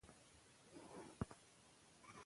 مور د ماشومانو د غاښونو د خرابیدو مخه نیسي.